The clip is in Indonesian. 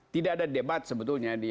tidak ada debat sebetulnya